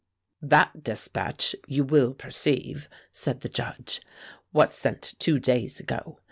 "That dispatch, you will perceive," said the Judge, "was sent two days ago.